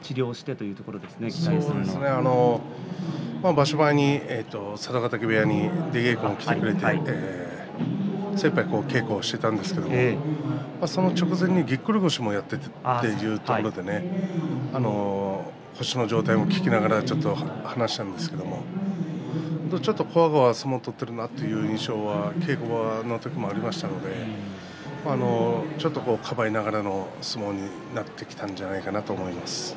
場所前に佐渡ヶ嶽部屋に出稽古に来てくれて精いっぱい稽古をしていたんですけれどその直前にぎっくり腰もやっていたということで腰の状態を聞きながら話していたんですけれどもちょっと、こわごわ相撲を取っているなという印象が稽古場の時にもありましたのでちょっと、かばいながらの相撲になってきたんじゃないかなと思います。